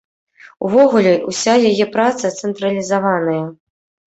Увогуле, уся яе праца цэнтралізаваная.